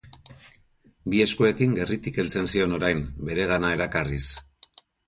Bi eskuekin gerritik heltzen zion orain, beregana erakarriz.